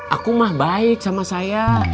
aku mah baik sama saya